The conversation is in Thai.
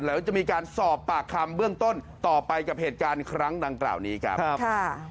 หรือจะมีการสอบปากคำเบื้องต้นต่อไปกับเหตุการณ์ครั้งต่างนี้ครับ